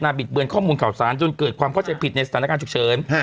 บิดเบือนข้อมูลข่าวสารจนเกิดความเข้าใจผิดในสถานการณ์ฉุกเฉิน